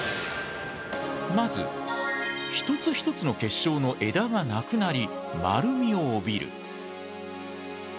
まず一つ一つの結晶の枝がなくなり丸みを帯びる。